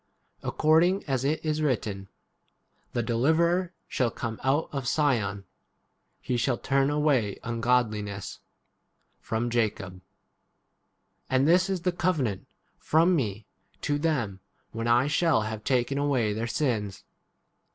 According as it is written, The deliverer shall come out of Sion ; he k shall turn away ungodlinesses 2 7 from Jacob. And this is the cove nant from me, to them, when I shall have taken away their sins.